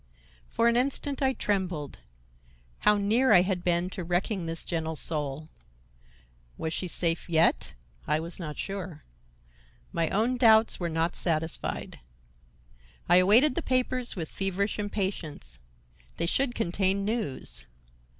For an instant I trembled. How near I had been to wrecking this gentle soul! Was she safe yet? I was not sure. My own doubts were not satisfied. I awaited the papers with feverish impatience. They should contain news.